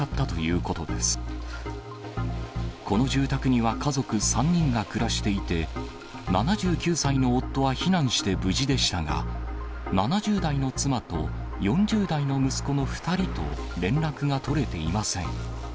この住宅には家族３人が暮らしていて、７９歳の夫は避難して無事でしたが、７０代の妻と４０代の息子の２人と連絡が取れていません。